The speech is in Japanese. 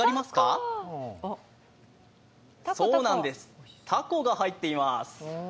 そうなんです、たこが入っています。